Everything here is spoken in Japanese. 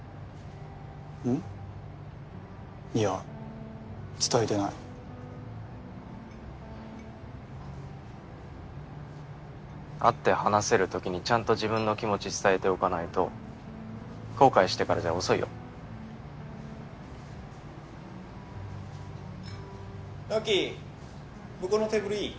うん？いや伝えてない会って話せる時にちゃんと自分の気持ち伝えておかないと後悔してからじゃ遅いよ直己向こうのテーブルいい？